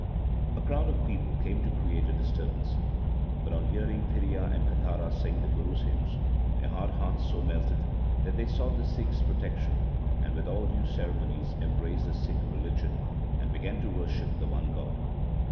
A crowd of people came to create a disturbance, but, on hearing Phiria and Katara sing the Guru's hymns, their hard hearts so melted that they sought the Sikhs' protection, and with all due ceremonies embraced the Sikh religion, and began to worship the one God.